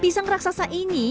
pisangnya juga lembut dan matang